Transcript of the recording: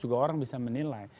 juga orang bisa menilai